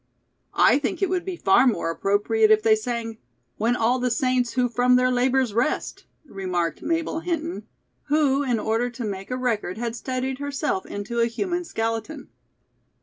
"I think it would be far more appropriate if they sang: "'When all the saints who from their labors rest,'" remarked Mabel Hinton, who, in order to make a record, had studied herself into a human skeleton.